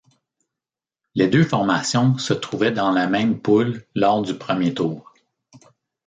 Les deux formations se trouvaient dans la même poule lors du premier tour.